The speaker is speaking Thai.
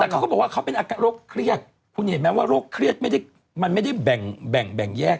แต่เขาก็บอกว่าเขาเป็นโรคเครียดคุณเห็นไหมว่าโรคเครียดไม่ได้มันไม่ได้แบ่งแยก